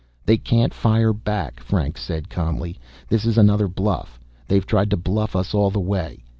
"They can't fire back," Franks said calmly. "This is another bluff. They've tried to bluff us all the way."